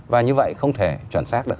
và như vậy không thể chuẩn xác được